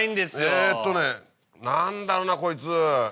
えっとね何だろうなこいつ。